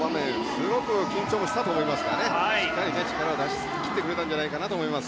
すごく緊張もしたと思いますがしっかり力を出し切ってくれたんじゃないかなと思います。